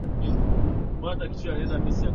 Moja likapita magharibi mwa Ziwa Victoria